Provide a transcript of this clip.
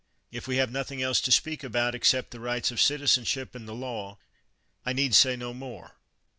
If we have nothing else to speak about except the rights of citizen ship and the law, I need say no more.